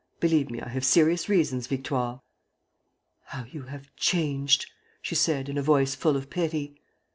Believe me, I have serious reasons, Victoire." "How you have changed!" she said, in a voice full of pity.